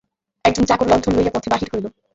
এখজন চাকর লণ্ঠন লইয়া পথে বাহির হইল।